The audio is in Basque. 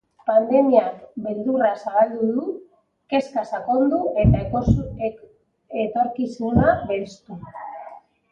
Pandemiak beldurra zabaldu du, kezka sakondu eta etorkizuna belztu.